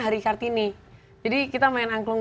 hari kartini jadi kita main angklung